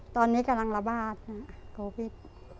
ตอนนี้กำลังระบาดค่ะโควิด